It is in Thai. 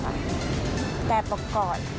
แต่ว่าเรูกอันนี้เหมือนกันเลยนะค่ะ